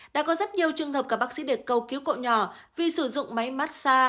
đã có rất nhiều trường hợp các bác sĩ đề cầu cứu cậu nhỏ vì sử dụng máy mát xa